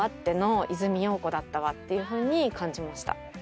ていうふうに感じました。